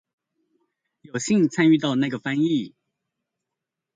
有幸參與到那個翻譯